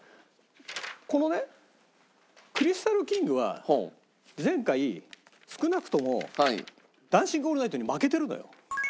このねクリスタルキングは前回少なくとも『ダンシング・オールナイト』に負けてるのよ。